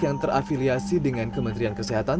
yang terafiliasi dengan kementerian kesehatan